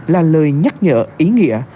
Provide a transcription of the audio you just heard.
là lời nhắc nhở ý nghĩa